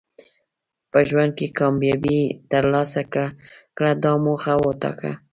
په ژوند کې کامیابي ترلاسه کړه دا موخه وټاکه.